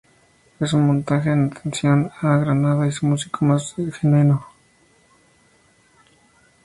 Es un montaje en atención a Granada y su músico más genuino.